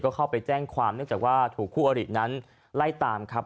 ก็เข้าไปแจ้งความเนื่องจากว่าถูกคู่อรินั้นไล่ตามครับ